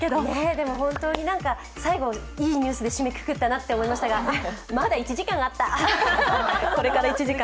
でも、最後はいいニュースで締めくくったなと思いましたがあっ、まだ１時間あった。